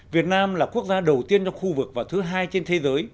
việt nam là quốc gia đầu tiên trong khu vực và thứ hai trên thế giới